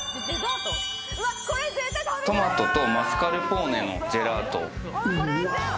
トマトとマスカルポーネのジェラート。